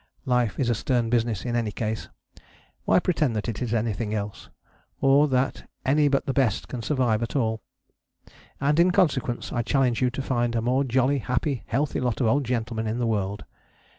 Life is a stern business in any case: why pretend that it is anything else? Or that any but the best can survive at all? And in consequence, I challenge you to find a more jolly, happy, healthy lot of old gentlemen in the world.